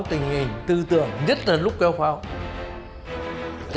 đối với nguyễn thi hắc